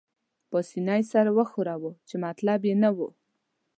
پاسیني سر وښوراوه، چې مطلب يې نه وو.